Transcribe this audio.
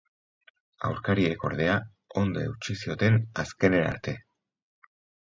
Aurkariek, ordea, ondo eutsi zioten azkenera arte.